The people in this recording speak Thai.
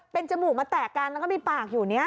เป็นจมูกมาแตกกันแล้วก็มีปากอยู่เนี่ย